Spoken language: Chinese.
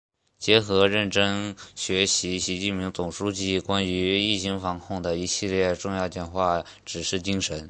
结合认真学习习近平总书记关于疫情防控的一系列重要讲话、指示精神